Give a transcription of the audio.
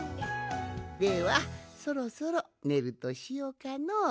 ではそろそろねるとしようかの。